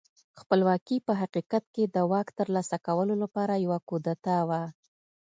خپلواکي په حقیقت کې د واک ترلاسه کولو لپاره یوه کودتا وه.